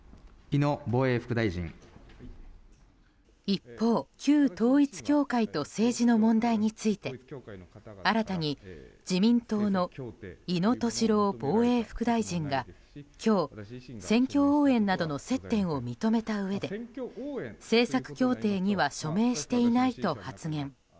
一方旧統一教会と政治の問題について新たに自民党の井野俊郎防衛副大臣が今日、選挙応援などの接点を認めたうえで政策協定には署名していないと発言。